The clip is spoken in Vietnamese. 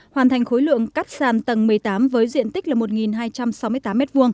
hoàn thành khối lượng cắt sàn tầng một mươi tám với diện tích là một hai trăm sáu mươi tám m hai